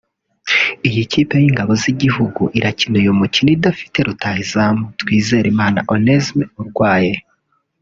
Iyi kipe y’Ingabo z’Igihugu irakina uyu mukino idafite rutahizamu Twizerimana Onesme urwaye